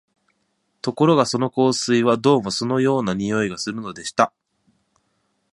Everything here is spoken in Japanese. ところがその香水は、どうも酢のような匂いがするのでした